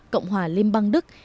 cộng hòa liên bang đức